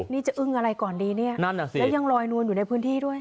นี่จะอึ้งอะไรก่อนดีอย่างรอยนวนอยู่ในพื้นที่ด้วย